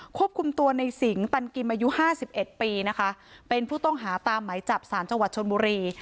ควบคุมตัวในสิงตันกิมอายุห้าสิบเอ็ดปีนะคะเป็นผู้ต้องหาตามไหมจับสารจังหวัดชนบุรี